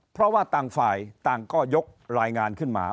เพราะว่าต่างฝ่ายต่างก็ยกรายงานขึ้นมา